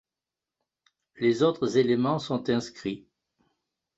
Les autres éléments sont inscrits.